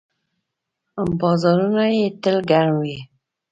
بازارونه یې تل ګرم وي.